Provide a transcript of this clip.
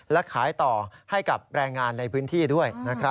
และขายต่อให้กับแรงงานในพื้นที่ด้วย